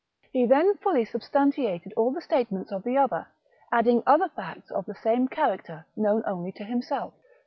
He then fully substantiated all the statements of the other, adding other facts of the same character, known only to himself.